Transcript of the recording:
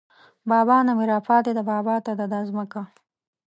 بابا نه مې راپاتې ده بابا ته ده دا ځمکه